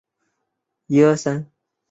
普雷尼斯人口变化图示